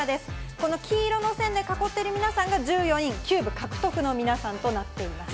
この黄色の線で囲っている皆さんが１４人のキューブ獲得の皆さんとなっています。